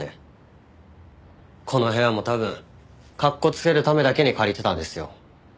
この部屋も多分格好つけるためだけに借りてたんですよ。